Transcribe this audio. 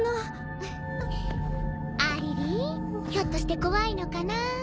ひょっとして怖いのかな？